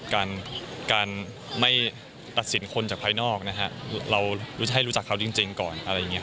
การไม่ตัดสินคนจากภายนอกเรารู้จักเขาจริงก่อน